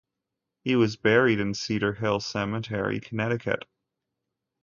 He was buried in Cedar Hill Cemetery, Connecticut.